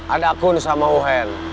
ada akun sama wohen